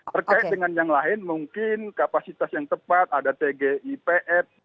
terkait dengan yang lain mungkin kapasitas yang tepat ada tgipf